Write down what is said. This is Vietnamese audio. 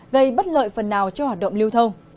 gây bất lợi phần nào cho hoạt động lưu thông